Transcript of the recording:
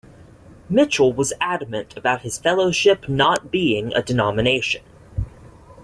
Mitchell was adamant about his fellowship not being a denomination.